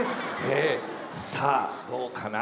さあどうかな？